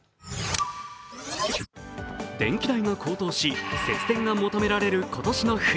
電気代が高騰し節電が求められる今年の冬。